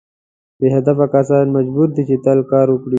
بې هدفه کسان مجبور دي چې تل کار وکړي.